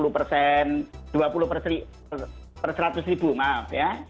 dua puluh persatus ribu maaf ya